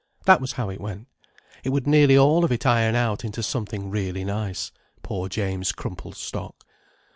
That was how it went: it would nearly all of it iron out into something really nice, poor James' crumpled stock.